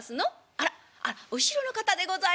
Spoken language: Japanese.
あらあっ後ろの方でございますか。